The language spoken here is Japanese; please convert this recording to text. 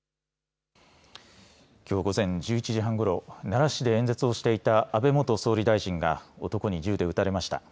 きょう午前１１時半ごろ奈良市で演説をしていた安倍元総理大臣が男に銃で撃たれました。